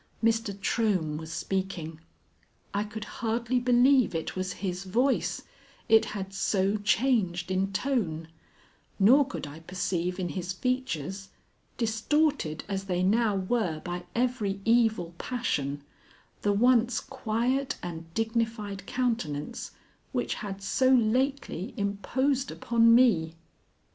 Mr. Trohm was speaking. I could hardly believe it was his voice, it had so changed in tone, nor could I perceive in his features, distorted as they now were by every evil passion, the once quiet and dignified countenance which had so lately imposed upon me.